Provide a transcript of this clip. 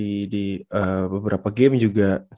ih di e beberapa game juga